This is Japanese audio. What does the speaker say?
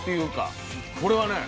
これはね